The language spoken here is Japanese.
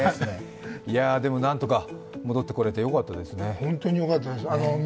でもなんとか戻ってこれてよかったですね。